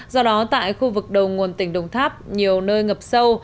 do đó tại khu vực đầu nguồn tỉnh đồng tháp nhiều nơi ngập sâu